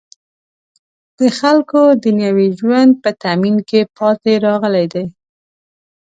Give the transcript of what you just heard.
د خلکو دنیوي ژوند په تأمین کې پاتې راغلی دی.